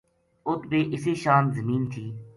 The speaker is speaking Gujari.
اُت بھی اِسے شان زمین تھی